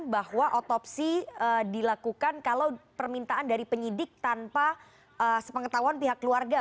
jadi maka otopsi dilakukan kalau permintaan dari penyidik tanpa sepengetahuan pihak keluarga